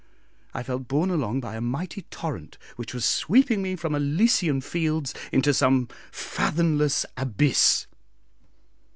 I felt borne along by a mighty torrent which was sweeping me from elysian fields into some fathomless abyss.